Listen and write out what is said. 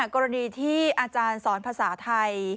กรณีที่อาจารย์สอนภาษาไทย